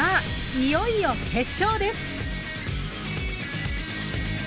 いよいよ決勝です！